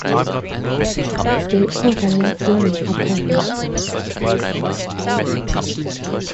They overlapped in the Upper Verde.